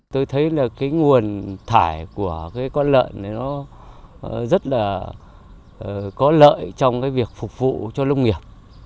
tôi thấy là cái nguồn thải của cái con lợn này nó rất là có lợi trong cái việc phục vụ cho lông nghiệp